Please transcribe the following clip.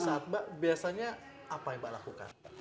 saat mbak biasanya apa yang mbak lakukan